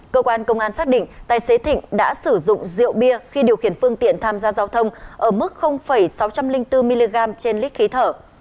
cơ quan công an xác định tài xế thịnh đã sử dụng rượu bia khi điều khiển phương tiện tham gia giao thông ở mức sáu trăm linh bốn mg trên lít khí thở